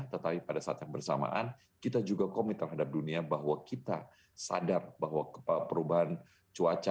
tetapi pada saat yang bersamaan kita juga komit terhadap dunia bahwa kita sadar bahwa perubahan cuaca